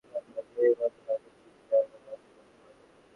একই সঙ্গে এগুলোর আমদানি বন্ধে বাণিজ্য মন্ত্রণালয়কে চিঠি দেওয়ারও সিদ্ধান্ত হয়।